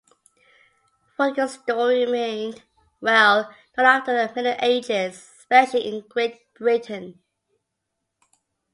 Vortigern's story remained well known after the Middle Ages, especially in Great Britain.